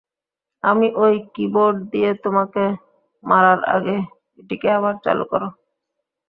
আমি ওই কীবোর্ড দিয়ে তোমাকে মারার আগে এটিকে আবার চালু কর।